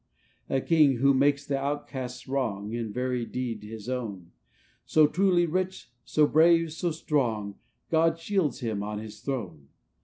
"A king, who makes the outcast's wrong, In very deed, his own; So truly rich, so brave, so strong, God shields him on his throne.